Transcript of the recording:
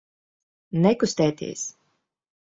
Nekustēties!